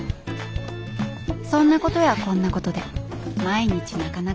そんなことやこんなことで毎日なかなか忙しい。